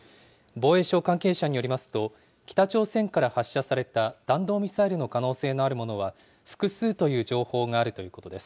防衛省関係者によりますと、北朝鮮から発射された弾道ミサイルの可能性のあるものは、複数という情報があるということです。